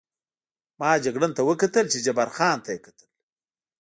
ما جګړن ته وکتل، چې جبار خان ته یې کتل.